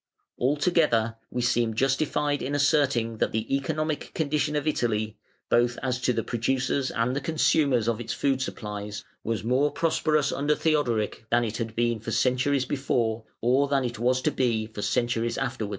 Altogether we seem justified in asserting that the economic condition of Italy, both as to the producers and the consumers of its food supplies, was more prosperous under Theodoric than it had been for centuries before, or than it was to be for centuries afterwards.